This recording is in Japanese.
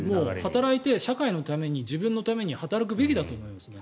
働いて社会のために自分のために働くべきだと思いますね。